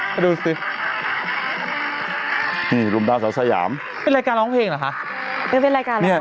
เป็นรายการร้องเพลงหรือคะ